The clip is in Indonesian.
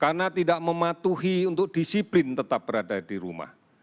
karena tidak mematuhi untuk disiplin tetap berada di rumah